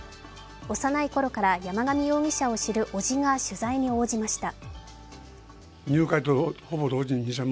幼いころから山上容疑者を知るおじが取材に応じました。